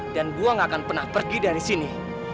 dan gue gak akan pernah pergi dari sini